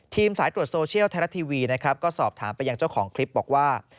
สายตรวจโซเชียลไทยรัฐทีวีนะครับก็สอบถามไปยังเจ้าของคลิปบอกว่า